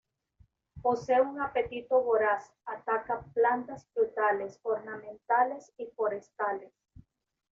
Posee un apetito voraz, ataca plantas frutales, ornamentales y forestales.